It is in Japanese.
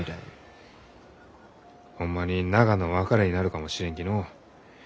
ホンマに永の別れになるかもしれんきのう。